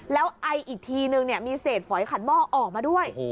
แล้วไออีกทีนึงมีเศษฝอยขัดหม้อออกมาด้วย